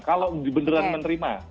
kalau beneran menerima